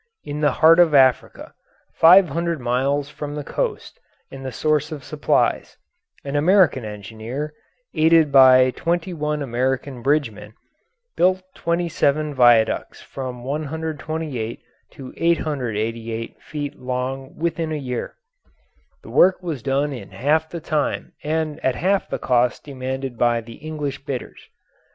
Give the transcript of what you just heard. In the heart of Africa, five hundred miles from the coast and the source of supplies, an American engineer, aided by twenty one American bridgemen, built twenty seven viaducts from 128 to 888 feet long within a year. The work was done in half the time and at half the cost demanded by the English bidders.